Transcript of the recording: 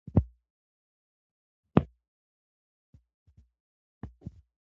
د ریګ دښتې د افغانستان د طبیعت د ښکلا برخه ده.